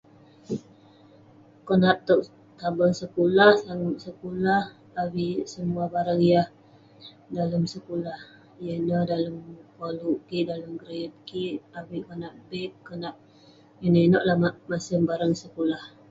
Konak towk tabang sekulah, sangep sekulah, avik semuah barang yah dalem sekulah..yah ineh dalem koluk kik, dalem keriyet kik avik konak bag konak inouk inouk lah masem barang sekulah..